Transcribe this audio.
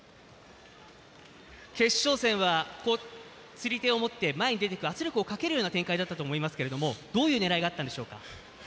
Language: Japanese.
決勝戦は、釣り手を持って前に出て行って圧力をかけるような展開だったと思いますけれどもどういう狙いがあったんでしょうか。